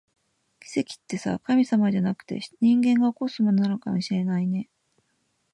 奇跡ってさ、神様じゃなくて、人間が起こすものなのかもしれないね